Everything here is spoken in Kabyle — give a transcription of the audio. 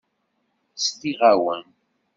Sliɣ-awen.